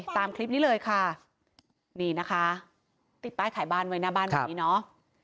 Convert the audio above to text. ตามคลิปนี้เลยค่ะนี่นะคะติดป้ายขายบ้านไว้หน้าบ้านแบบนี้เนาะ